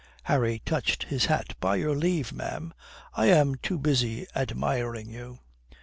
Harry touched his hat. "By your leave, ma'am, I am too busy admiring you."